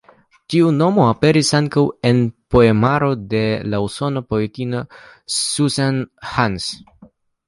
Tiu nomo aperas ankaŭ en poemaro de la usona poetino Susan Hahn.